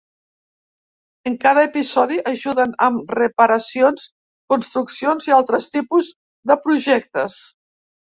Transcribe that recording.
En cada episodi ajuden amb reparacions, construccions i altres tipus de projectes.